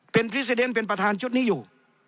เป็นพรีเซเดนเป็นประธานชุดนี้อยู่